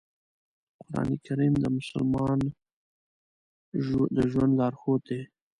قرآن کریم د مسلمان د ژوند لارښود دی.